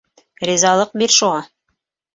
Ризалыҡ бир шуға.